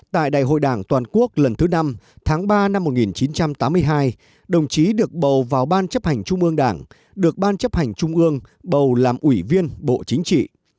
tại đại hội đảng toàn quốc lần thứ năm tháng ba năm một nghìn chín trăm tám mươi hai đồng chí được bầu vào ban chấp hành trung ương đảng được ban chấp hành trung ương bầu làm ủy viên bộ chính trị